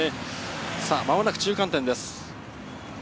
間もなく中間点です。